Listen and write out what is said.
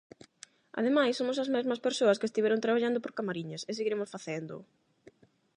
Ademais, somos as mesmas persoas que estiveron traballando por Camariñas, e seguiremos facéndoo.